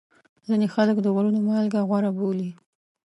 ځینې خلک د غرونو مالګه غوره بولي.